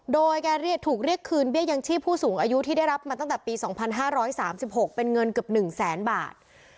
โดยแกถูกเรียกคืนเบี้ยยังชีพผู้สูงอายุที่ได้รับมาตั้งแต่ปี๒๕๓๖เป็นเงินเกือบ๑แสนบาท